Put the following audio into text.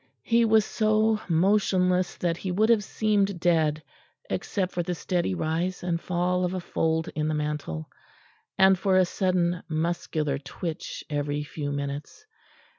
He was so motionless that he would have seemed dead except for the steady rise and fall of a fold in the mantle, and for a sudden muscular twitch every few minutes.